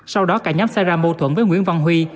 sau đó cả nhóm xảy ra mâu thuẫn với nguyễn văn huy